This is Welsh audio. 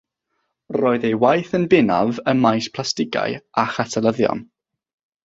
Roedd ei waith yn bennaf ym maes plastigau a chatalyddion.